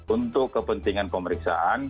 untuk kepentingan pemeriksaan